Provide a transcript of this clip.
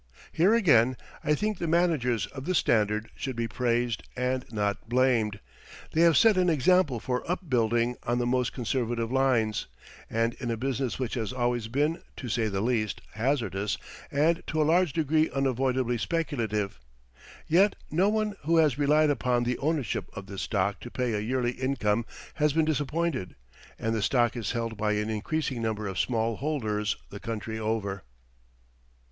Here, again, I think the managers of the Standard should be praised, and not blamed. They have set an example for upbuilding on the most conservative lines, and in a business which has always been, to say the least, hazardous, and to a large degree unavoidably speculative. Yet no one who has relied upon the ownership of this stock to pay a yearly income has been disappointed, and the stock is held by an increasing number of small holders the country over.